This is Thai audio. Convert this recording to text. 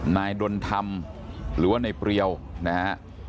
นายดนทรรมหรือว่าในเปรียวนะครับ